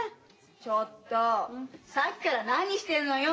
ちょっとさっきから何してるのよ？